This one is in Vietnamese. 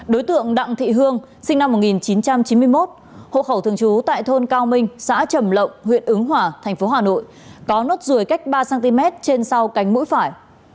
đối tượng đặng thị hương sinh năm một nghìn chín trăm chín mươi một hộ khẩu thường trú tại thôn cao minh xã trầm lộng huyện ứng hỏa thành phố hà nội có nốt ruồi cách ba cm trên sau cánh mũi phải